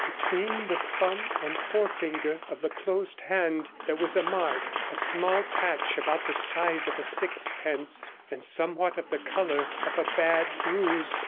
Between the thumb and forefinger of the closed hand there was a mark, a small patch about the size of a six pence, and somewhat of the colour of a bad bruise.